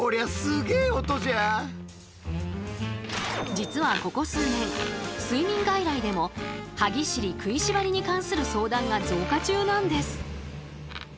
実はここ数年睡眠外来でも歯ぎしり・食いしばりに関する相談が増加中なんです。